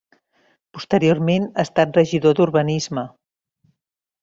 Posteriorment ha estat regidor d'urbanisme.